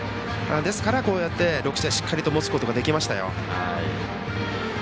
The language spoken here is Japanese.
ですから、こうやって６試合しっかりともつことができましたよ。